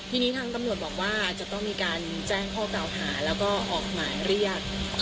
ทีนี้ทางตำรวจบอกว่าจะต้องมีการแจ้งข้อกล่าวหาแล้วก็ออกหมายเรียก